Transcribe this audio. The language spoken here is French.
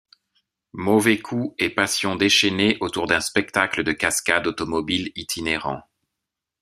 Mauvais coups et passions déchaînées autour d'un spectacle de cascade automobile itinérant.